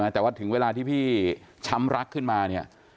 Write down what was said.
แต่ว่าถึงเวลาที่พี่ช้ำรักขึ้นมาเนี่ย